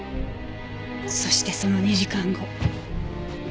そしてその２時間後。